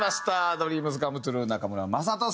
ＤＲＥＡＭＳＣＯＭＥＴＲＵＥ中村正人さん